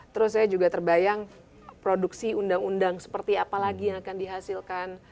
terus saya juga terbayang produksi undang undang seperti apa lagi yang akan dihasilkan